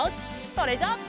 それじゃあ。